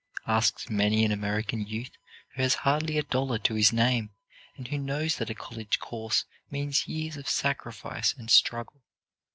asks many an American youth who has hardly a dollar to his name and who knows that a college course means years of sacrifice and struggle.